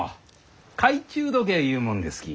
懐中時計ゆうもんですき。